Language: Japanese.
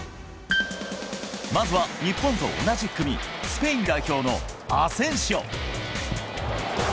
まずは日本と同じ組、スペイン代表のアセンシオ。